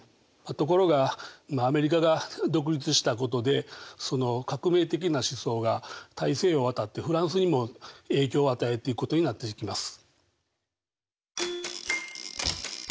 ところがアメリカが独立したことでその革命的な思想が大西洋を渡ってフランスにも影響を与えていくことになっていきます。